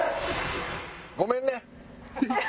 ごめんね！